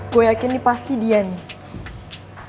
gue yakin ini pasti dia nih